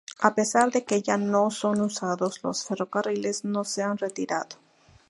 A pesar de que ya no son usados, los ferrocarriles no se han retirado.